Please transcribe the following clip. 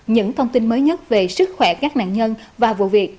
những thông tin mới nhất về sức khỏe các nạn nhân và vụ việc